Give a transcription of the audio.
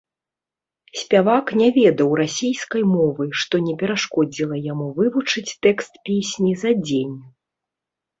Спявак не ведаў расейскай мовы, што не перашкодзіла яму вывучыць тэкст песні за дзень.